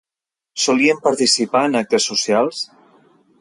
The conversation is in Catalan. Solien participar en actes socials?